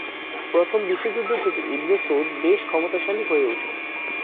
প্রথম বিশ্বযুদ্ধ থেকে ইবনে সৌদ বেশ ক্ষমতাশালী হয়ে উঠেন।